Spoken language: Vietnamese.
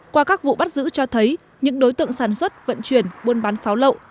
qua các vụ bắt giữ cho thấy những đối tượng sản xuất vận chuyển buôn bán pháo lậu